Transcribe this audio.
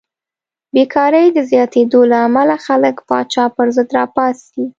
بېکارۍ د زیاتېدو له امله خلک پاچا پرضد راپاڅي.